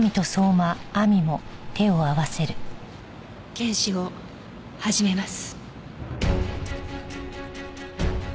検視を始めます。